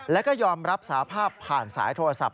แล้วก็ยอมรับสาภาพผ่านสายโทรศัพท์